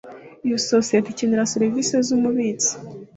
Iyo sosiyete ikenera serivisi z umubitsi